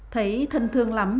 thấy thân thương lắm